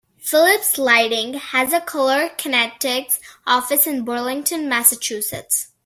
Philips Lighting has a Color Kinetics office in Burlington, Massachusetts.